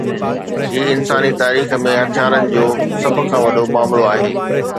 هي انساني تاريخ ۾ هٿيارن جو سڀ کان وڏو معاملو آهي.